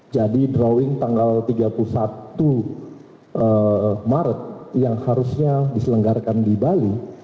jadi drawing tanggal tiga puluh satu maret yang harusnya diselenggarkan di bali